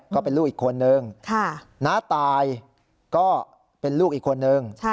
ก็เป็นลูกอีกคนนึงน้าตายก็เป็นลูกอีกคนนึง